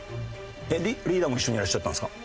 リーダーも一緒にいらっしゃったんですか？